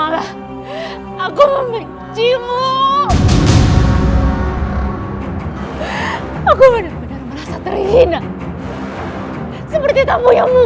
lebih baik aku mati daripada aku harus menanggung malu